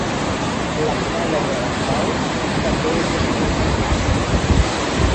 La mirada de la Sol també és espurnejant.